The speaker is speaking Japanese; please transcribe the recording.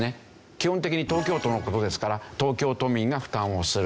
基本的に東京都の事ですから東京都民が負担をする。